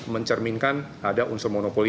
mencerminkan ada unsur monopoli